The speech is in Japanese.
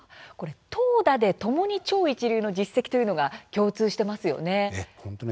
投打でともに超一流の実績というのが共通していますよね。